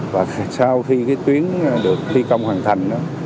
và sau khi cái tuyến được thi công hoàn thành đó